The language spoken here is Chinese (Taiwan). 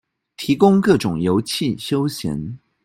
提供各種遊憩休閒